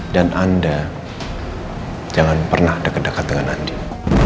dan anda jangan pernah dekat dekat dengan andin